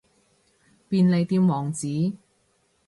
便利店王子